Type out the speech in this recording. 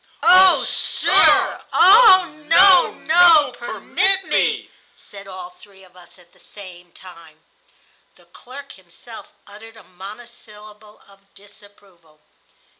..." "Oh, sir. Oh, no, no, permit me," said all three of us at the same time. The clerk himself uttered a monosyllable of disapproval.